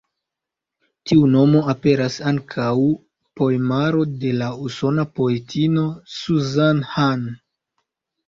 Tiu nomo aperas ankaŭ en poemaro de la usona poetino Susan Hahn.